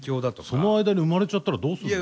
その間に生まれちゃったらどうするの？